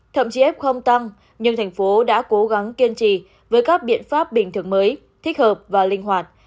thậm chí f không tăng nhưng thành phố đã cố gắng kiên trì với các biện pháp bình thường mới thích hợp và linh hoạt